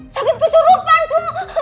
sakit kesurupan bu